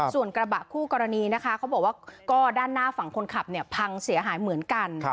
ส่วนกระบะคู่กรณีนะคะเขาบอกว่าก็ด้านหน้าฝั่งคนขับเนี่ยพังเสียหายเหมือนกัน